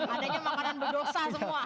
adanya makanan berdosa semua